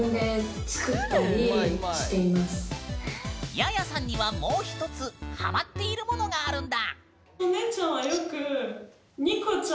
ヤヤさんにはもう一つハマっているものがあるんだ。